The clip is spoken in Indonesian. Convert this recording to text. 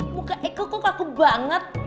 muka eko kok kaku banget